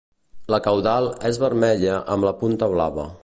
La caudal és vermella amb la punta blava.